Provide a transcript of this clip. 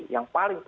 yang paling besar